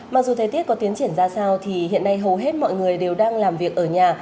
mặc dù thời tiết có tiến triển ra sao thì hiện nay hầu hết mọi người đều đang làm việc ở nhà